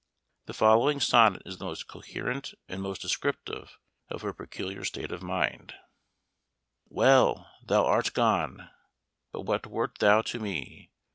The following sonnet is the most coherent and most descriptive of her peculiar state of mind: "Well, thou art gone but what wert thou to me?